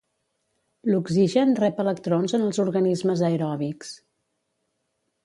L'oxigen rep electrons en els organismes aeròbics.